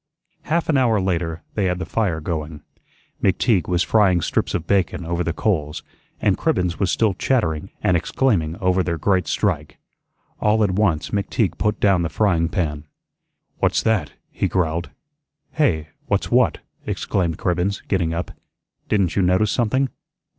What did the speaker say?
Half an hour later they had the fire going. McTeague was frying strips of bacon over the coals, and Cribbens was still chattering and exclaiming over their great strike. All at once McTeague put down the frying pan. "What's that?" he growled. "Hey? What's what?" exclaimed Cribbens, getting up. "Didn't you notice something?"